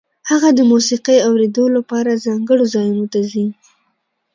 هغه د موسیقۍ اورېدو لپاره ځانګړو ځایونو ته ځي